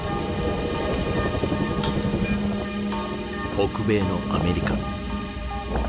北米のアメリカ。